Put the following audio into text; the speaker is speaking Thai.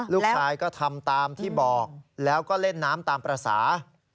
ลูกชายก็ทำตามที่บอกแล้วก็เล่นน้ำตามภาษา